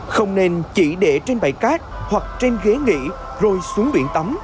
không nên chỉ để trên bậy cát hoặc trên ghế nghỉ rồi xuống biển tắm